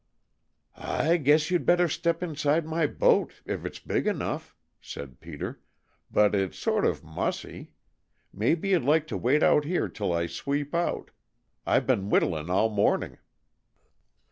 "I guess you'd better step inside my boat, if it's big enough," said Peter, "but it's sort of mussy. Maybe you'd like to wait out here 'til I sweep out. I been whittlin' all morning."